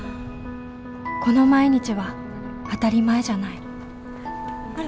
この毎日は当たり前じゃないあれ